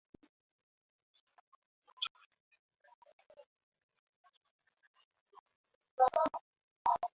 Mnyama kupata malengelenge ni dalili muhimu ya ugonjwa wa miguu na midomo